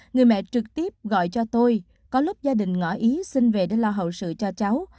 người mẹ trực tiếp gọi cho tôi có lúc gia đình ngõ ý xin về để lo hậu sự cho cháu